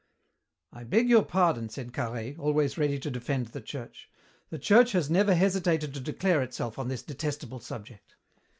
"I beg your pardon," said Carhaix, always ready to defend the Church. "The Church has never hesitated to declare itself on this detestable subject.